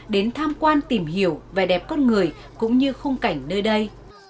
đến tham quan tìm hiểu về đẹp con người cũng như không cảnh nơi đây